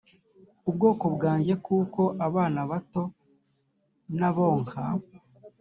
ubwoko bwanjye kuko abana bato n abonka